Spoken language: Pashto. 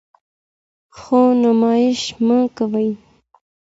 خو نمایش مه کوئ.